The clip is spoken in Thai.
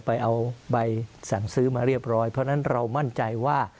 ไปเอาใบสั่งซื้อมาเรียบร้อยเพราะฉะนั้นเรามั่นใจว่า